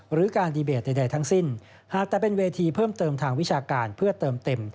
หรือการดีเบตใดทั้งสิ้นหากแต่เป็นเวทีเพิ่มเติมทางวิชาการเพื่อเติมเต็ม